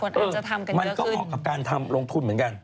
งั้นก็ออกกับการทำลงทุนเหมือนกัน